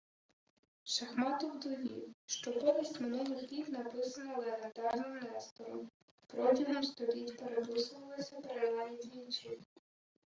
Шахматов довів, що «Повість минулих літ», написана легендарним Нестором, протягом століть переписувалася принаймні двічі